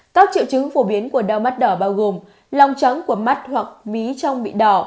các triệu chứng phổ biến của đau mắt đỏ bao gồm lòng trắng của mắt hoặc ví trong bị đỏ